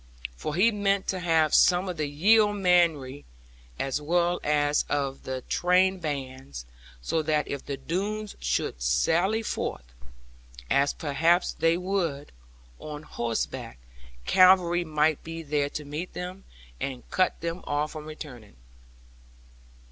For he meant to have some of the yeomanry as well as of the trained bands, so that if the Doones should sally forth, as perhaps they would, on horseback, cavalry might be there to meet them, and cut them off from returning.